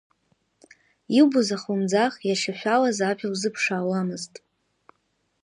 Илбоз ахлымӡаах иашьашәалаз ажәа лзыԥшаауамызт.